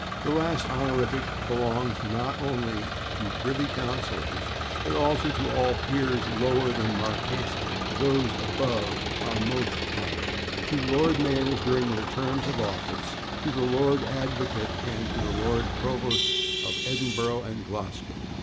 This last honorific belongs, not only to [Pg120] privy councillors, but also to all peers lower than marquesses (those above are /Most Hon./), to Lord Mayors during their terms of office, to the Lord Advocate and to the Lord Provosts of Edinburgh and Glasgow.